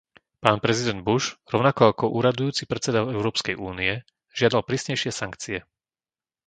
Pán prezident Bush, rovnako ako úradujúci predseda Európskej únie, žiadal prísnejšie sankcie.